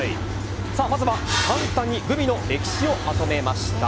まずは、簡単にグミの歴史をまとめました。